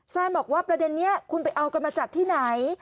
แซนบอกว่าประเด็นนี้คุณไปเอากันมาจากที่ไหน